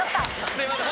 すいません